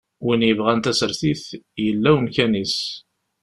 Win yebɣan tasertit, yella wemkan-is.